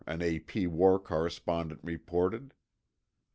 an A.P. war correspondent reported.